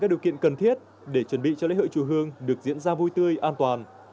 các điều kiện cần thiết để chuẩn bị cho lễ hội chùa hương được diễn ra vui tươi an toàn